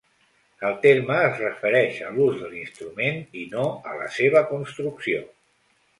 El terme es refereix a l'ús de l'instrument i no a la seva construcció.